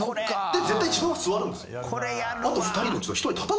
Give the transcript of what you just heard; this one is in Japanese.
絶対自分は座るんですよ。